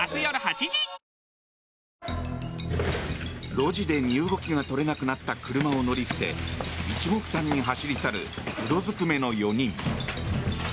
路地で身動きが取れなくなった車を乗り捨て一目散に走り去る黒ずくめの４人。